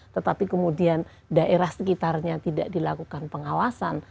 tetapi kemudian daerah sekitarnya tidak dilakukan pengawasan